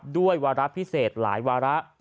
ด้วยวาระพิเศษหลายวาระ